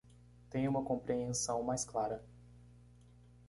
Tenha uma compreensão mais clara